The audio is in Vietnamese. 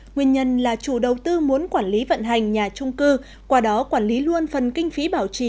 nguyên nhân là chủ đầu tư muốn quản lý vận hành nhà trung cư qua đó quản lý luôn phần kinh phí bảo trì